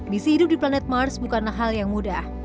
misi hidup di planet mars bukanlah hal yang mudah